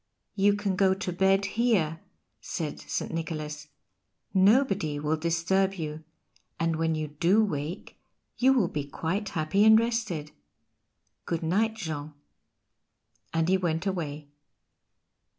"You can go to bed here," said St. Nicholas, "nobody will disturb you, and when you do wake you will be quite happy and rested. Good night, Jean." And he went away.